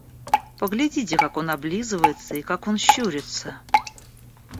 Поглядите, как он облизывается и как он щурится.